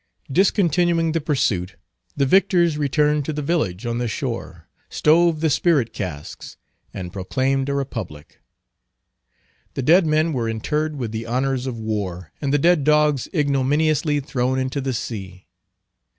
Discontinuing the pursuit, the victors returned to the village on the shore, stove the spirit casks, and proclaimed a Republic. The dead men were interred with the honors of war, and the dead dogs ignominiously thrown into the sea.